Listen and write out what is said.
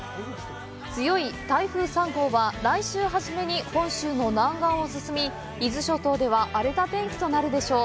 強い台風３号は来週初めに本州の南岸を進み、伊豆諸島では荒れた天気となるでしょう。